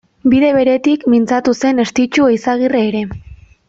Bide beretik mintzatu zen Estitxu Eizagirre ere.